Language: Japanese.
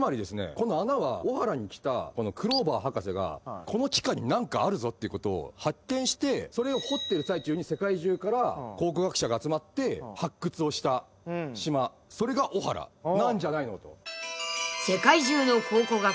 この穴はオハラに来たクローバー博士がこの地下に何かあるぞってことを発見してそれを掘ってる最中に世界中から考古学者が集まって発掘をした島それがオハラなんじゃないのと。